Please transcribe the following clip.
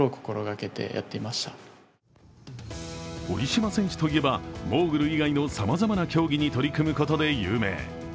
堀島選手といえば、モーグル以外のさまざまな競技に取り組むことで有名。